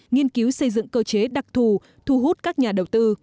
nghiên cứu xây dựng cơ chế đặc thù thu hút các nhà đầu tư